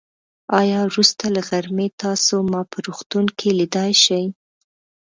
آيا وروسته له غرمې تاسو ما په روغتون کې ليدای شئ.